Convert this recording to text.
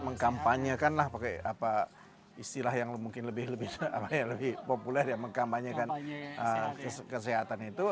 mengkampanyekan lah pakai istilah yang mungkin lebih populer ya mengkampanyekan kesehatan itu